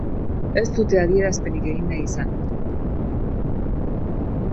Ez dute adierazpenik egin nahi izan.